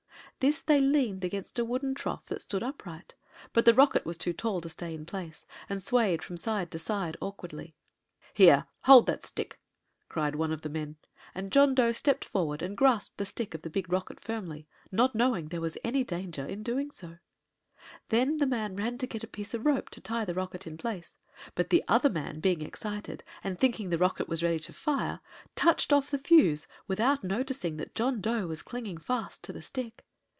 This they leaned against a wooden trough that stood upright; but the rocket was too tall to stay in place, and swayed from side to side awkwardly. "Here! Hold that stick!" cried one of the men, and John Dough stepped forward and grasped the stick of the big rocket firmly, not knowing there was any danger in doing so. [Illustration: JOHN DOUGH IS CARRIED OFF BY THE ROCKET] Then the man ran to get a piece of rope to tie the rocket in place; but the other man, being excited and thinking the rocket was ready to fire, touched off the fuse without noticing that John Dough was clinging fast to the stick.